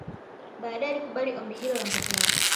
Baadaye alikubali ombi hilo la mtoto wake